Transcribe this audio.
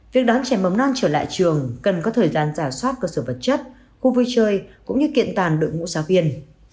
việc đón trẻ mầm non trở lại trường cần có thời gian giả soát cơ sở vật chất khu vui chơi cũng như kiện tàn đội ngũ giáo viên